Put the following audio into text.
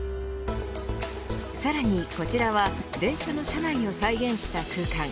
さらにこちらは電車の車内を再現した空間。